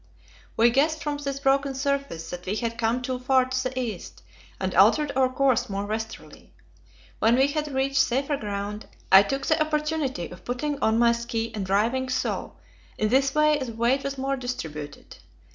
We guessed from this broken surface that we had come too far to the east, and altered our course more westerly. When we had reached safer ground, I took the opportunity of putting on my ski and driving so; in this way the weight was more distributed.